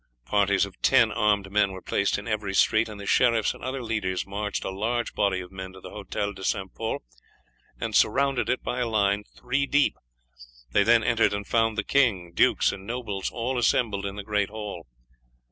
Parties of ten armed men were placed in every street, and the sheriffs and other leaders marched a large body of men to the Hôtel de St. Pol and surrounded it by a line three deep. They then entered and found the king, dukes, and nobles all assembled in the great hall.